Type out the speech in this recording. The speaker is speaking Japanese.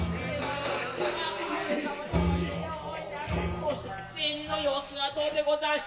そうして出入りの様子はどうでござんした。